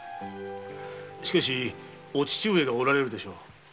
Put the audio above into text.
しかしお父上がおられるでしょう。